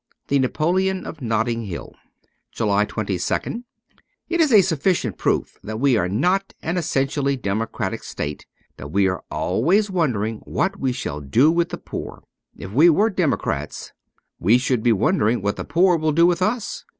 ^7he Napoleon of Notting Hill.' 285 JULY 22nd IT is a sufficient proof that we are not an essentially democratic state that we are always wondering what we shall do with the poor. If we were democrats, we should be wondering what the poor will do with us.